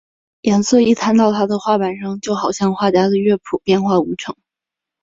颜色一摊到他的画板上就好像音乐家的乐谱变化无穷！